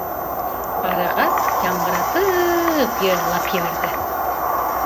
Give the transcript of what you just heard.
Арығас, яңғыратып йырлап ебәрҙе.